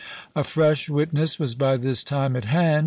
A fresh witness was by this time at hand.